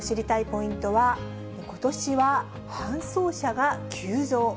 ポイントは、ことしは搬送者が急増。